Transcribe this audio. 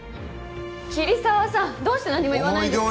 桐沢さんどうして何も言わないんですか？